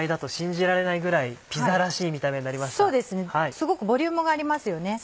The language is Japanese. すごくボリュームがありますよね。